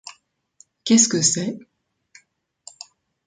Qu’est-ce que c’est ?…